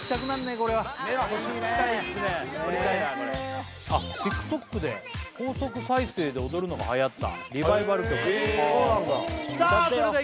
これあっＴｉｋＴｏｋで高速再生で踊るのがはやったリバイバル曲へえそうなんだ